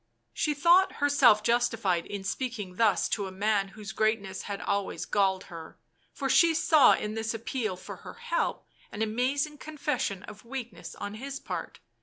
She thought herself justified in speaking thus to a man whose greatness had always galled her, for she saw in this appeal for her help an amazing confession of weakness on his part.